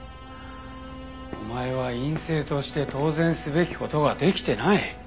お前は院生として当然すべき事ができてない。